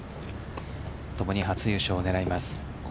ともに初優勝を狙います。